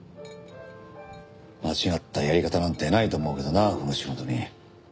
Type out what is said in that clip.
間違ったやり方なんてないと思うけどなこの仕事に。